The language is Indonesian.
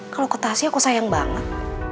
kalau ke tasya kok sayang banget